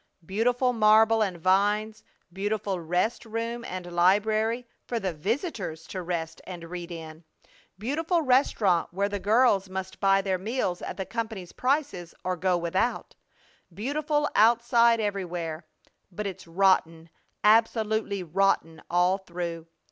Beautiful marble and vines, beautiful rest room and library for the visitors to rest and read in beautiful restaurant where the girls must buy their meals at the company's prices or go without; beautiful outside everywhere; but it's rotten, absolutely rotten all through!